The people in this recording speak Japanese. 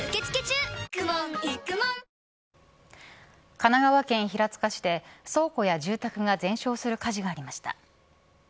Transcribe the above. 神奈川県平塚市で倉庫や住宅が全焼する火事がありました。